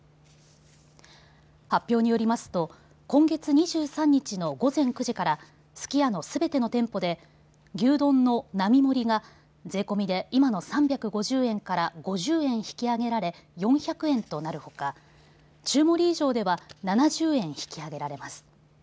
発表によりますと今月２３日の午前９時からすき家のすべての店舗で牛丼の並盛が税込みで今の３５０円から５０円引き上げられ４００円となるほか、中盛以上では７０円引き上げられます。